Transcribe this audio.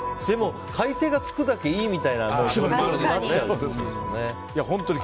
買い手がつくだけいいみたいなね。